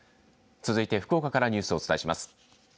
続いて福岡からニュースをお伝えします。